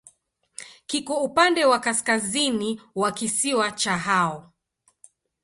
Kiko upande wa kaskazini wa kisiwa cha Hao.